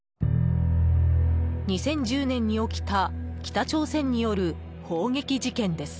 ２０１０年に起きた北朝鮮による砲撃事件です。